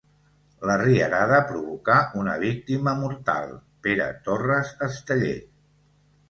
La rierada provocà una víctima mortal, Pere Torres Esteller.